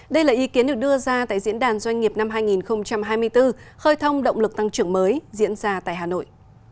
đây là ý kiến được đưa ra tại diễn đàn doanh nghiệp năm hai nghìn hai mươi bốn khơi thông động lực tăng trưởng mới diễn ra tại hà nội